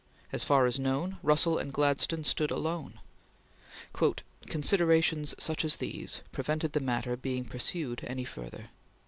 As far as known, Russell and Gladstone stood alone. "Considerations such as these prevented the matter being pursued any further."